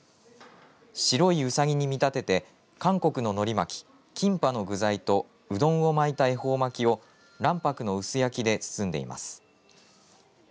白いウサギに見立てて韓国の海苔巻きキンパの具材とうどんを巻いた恵方巻きを卵白の薄焼きで包んでいます。